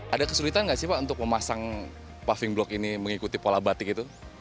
ada kesulitan nggak sih pak untuk memasang paving blok ini mengikuti pola batik itu